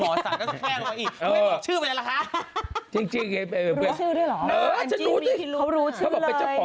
มีอีกข้อมูลใหม่